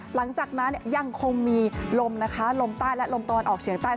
หลังจากนั้นยังคงมีลมนะคะลมใต้และลมตะวันออกเฉียงใต้